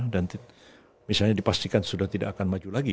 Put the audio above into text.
dan misalnya dipastikan sudah tidak akan maju lagi